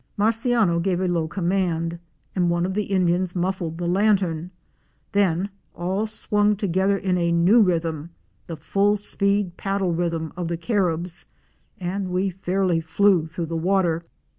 Marciano gave a low command and one of the Indians muffled the lantern; then all swung together in a new rhythm — the full speed paddle rhythm of the Caribs —and we fairly flew through the water.